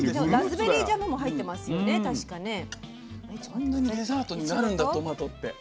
こんなにデザートになるんだトマトって。